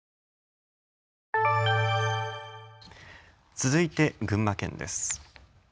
続いて群馬県です。